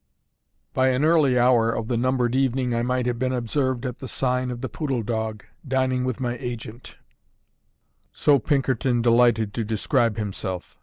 By an early hour of the numbered evening I might have been observed at the sign of the Poodle Dog, dining with my agent: so Pinkerton delighted to describe himself.